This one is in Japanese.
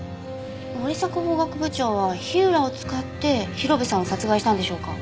森迫法学部長は火浦を使って広辺さんを殺害したんでしょうか？